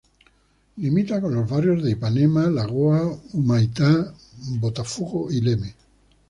Limita con los barrios de Ipanema, Lagoa, Humaitá, Botafogo y Leme.